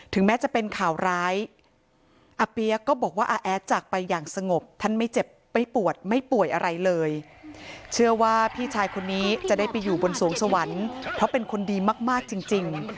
แม้จะเป็นข่าวร้ายอาเปี๊ยกก็บอกว่าอาแอดจากไปอย่างสงบท่านไม่เจ็บไม่ปวดไม่ป่วยอะไรเลยเชื่อว่าพี่ชายคนนี้จะได้ไปอยู่บนสวงสวรรค์เพราะเป็นคนดีมากจริง